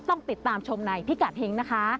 ต้องติดตามชมในพิกัดเฮงนะคะ